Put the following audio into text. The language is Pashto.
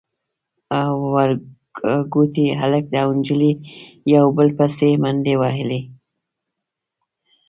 ورکوټي هلک او نجلۍ يو بل پسې منډې وهلې.